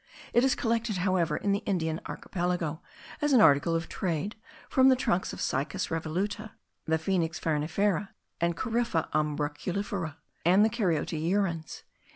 It is collected, however, in the Indian Archipelago, as an article of trade, from the trunks of the Cycas revoluta, the Phoenix farinifera, the Corypha umbraculifera, and the Caryota urens.